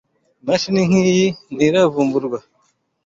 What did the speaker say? Imashini nkiyi ntiravumburwa.